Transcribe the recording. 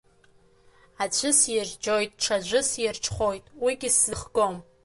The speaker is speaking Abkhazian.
Аӡәы сирџьоит, ҽаӡәы сирҽхәоит, уигь сзыхгом.